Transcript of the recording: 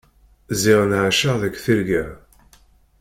Ziɣen ɛaceɣ deg tirga.